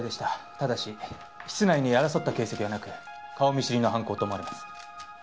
ただし室内に争った形跡はなく顔見知りの犯行と思われます。